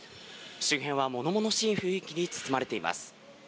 周辺はものものしい雰囲気に包まれています。